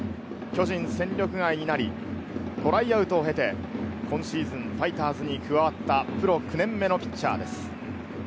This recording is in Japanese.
巨人を戦力外になり、トライアウトを経て、今シーズン、ファイターズに加わったプロ９年目のピッチャーです。